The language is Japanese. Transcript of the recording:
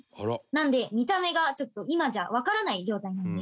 なので見た目がちょっと今じゃわからない状態なんです。